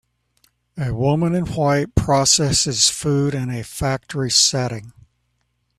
A woman in white processes food in a factory setting.